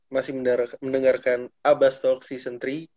masih mendengarkan abbastol season tiga